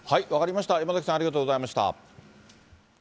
分かりました、山崎さん、ありがとうございました。